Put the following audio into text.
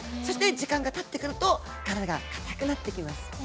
そして時間がたってくると体がかたくなってきます。